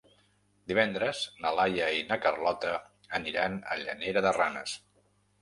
Divendres na Laia i na Carlota aniran a Llanera de Ranes.